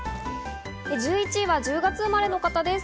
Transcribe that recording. １１位は１０月生まれの方です。